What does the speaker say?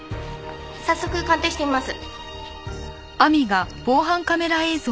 早速鑑定してみます。